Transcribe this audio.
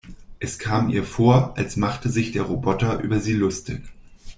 Es kam ihr vor, als machte sich der Roboter über sie lustig.